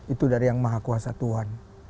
itu dari yang maha kuasa tuhan